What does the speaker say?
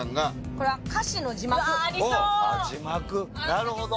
なるほど！